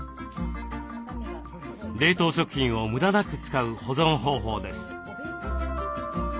冷凍食品を無駄なく使う保存方法です。